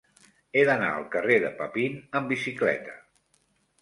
He d'anar al carrer de Papin amb bicicleta.